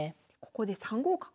ここで３五角。